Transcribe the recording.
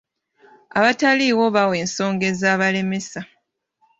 Abataaliwo baawa ensonga ezabalemesa.